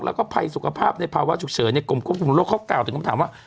แล้วก็ภัยสุขภาพในภาวะฉุกเฉินในกรมควบคุมโลกเขากล่าวถึงคำถามว่า